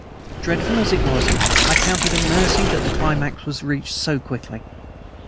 Dreadful as it was, I count it a mercy that the climax was reached so quickly.